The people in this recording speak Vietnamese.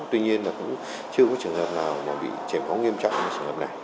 tuy nhiên là cũng chưa có trường hợp nào mà bị chảy máu nghiêm trọng như trường hợp này